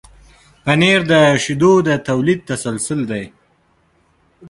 پنېر د شیدو د تولید تسلسل دی.